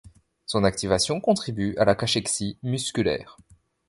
Son activation contribue à la cachexie musculaire.